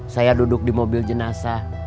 saya duduk di mobil jenazah